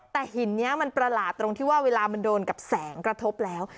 แต่หินนี้มันประหลาดตรงที่ว่าเวลามันโดนกับแสงกระทบแล้ว